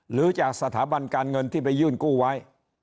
หรือจากสถาบันการเงินที่ไปยื่นกู้ไว้